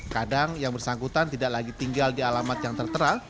kadang yang bersangkutan tidak lagi tinggal di alamat yang tertera